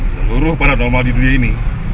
seluruh paranomal di dunia ini